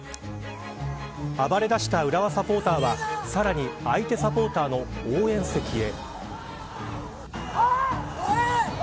暴れだした浦和サポーターはさらに相手サポーターの応援席へ。